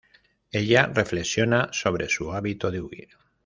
Ella reflexiona sobre su hábito de huir.